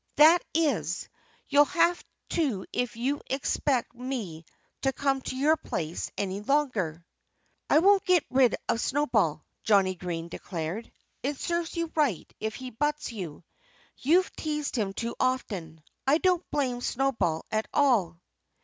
"That is, you'll have to if you expect me to come to your place any longer." "I won't get rid of Snowball," Johnnie Green declared. "It serves you right if he butts you. You've teased him too often. I don't blame Snowball at all."